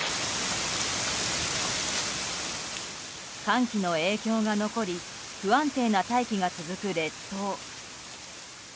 寒気の影響が残り不安定な大気が続く列島。